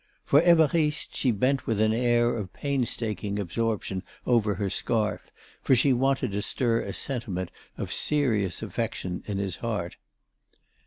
For Évariste, she bent with an air of painstaking absorption over her scarf, for she wanted to stir a sentiment of serious affection in his heart.